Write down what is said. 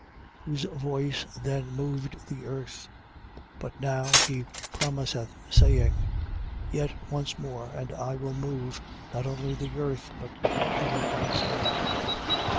12:26. Whose voice then moved the earth; but now he promiseth, saying: Yet once more: and I will move, not only the earth, but heaven also.